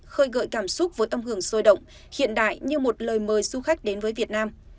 khơi gợi cảm xúc với âm hưởng sôi động hiện đại như một lời mời du khách đến với việt nam